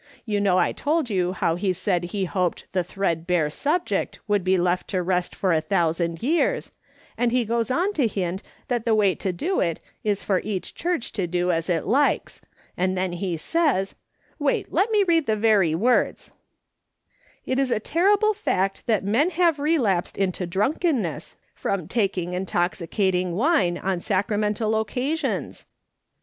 You know I told you how he said he hoped the ' thread bare' subject would be left to rest for a ' thousand years,' and he goes on to hint that the way to do is for each church to do as it likes, and then he says — wait, let me read the very words :' It is a terrible fact that men have relapsed into drunkenness from taking intoxicating wine on sacramental occasions